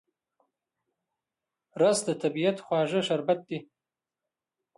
رس د طبیعت خواږه شربت دی